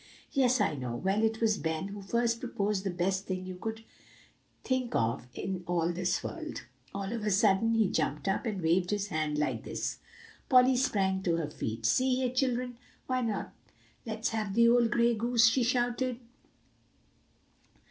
"Yes, I know. Well, it was Ben who first proposed the best thing you could think of in all this world. All of a sudden he jumped up, and waved his hand like this." Polly sprang to her feet. "See here, children, why not let's have the old gray goose?" she shouted.